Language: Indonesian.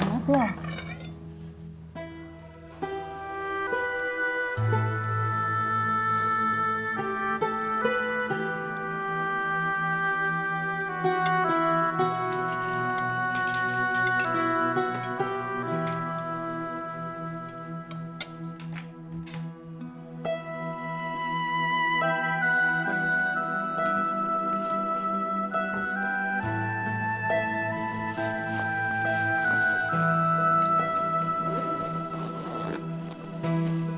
itu kebiasaan kamu